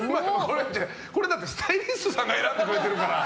これだってスタイリストさんが選んでくれてるから。